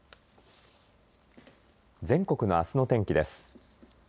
全国のあすの天気です。